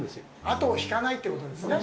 後を引かないということですね。